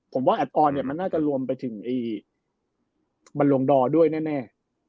ผมว่าแอดออนเนี่ยมันน่าจะรวมไปถึงบรรลงดอร์ด้วยแน่